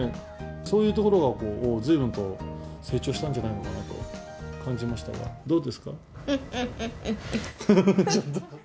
そういうところがこう、ずいぶんと成長したんじゃないのかなと感ふっふっふっふっ。